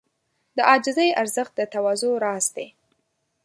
د عاجزۍ ارزښت د تواضع راز دی.